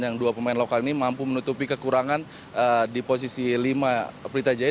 yang dua pemain lokal ini mampu menutupi kekurangan di posisi lima pelita jaya